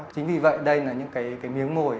chính vì vậy đây là những miếng mồi